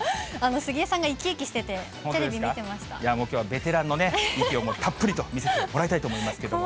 杉江さんが生き生きしてて、いやぁ、もうきょうはベテランの域をたっぷりと見せてもらいたいと思いま怖い。